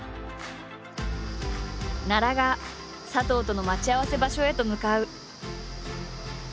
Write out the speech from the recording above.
奈良が佐藤との待ち合わせ場所へと向かう。